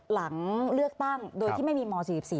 หลังเลือกตั้งโดยที่ไม่มีม๔๔